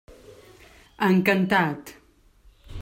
Encantat.